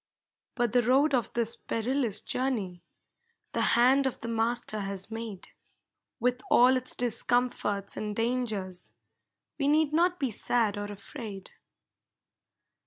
But the road of this perilous journey The hand of the Master has made; With all its discomforts and dangers, We need not be sad or afraid.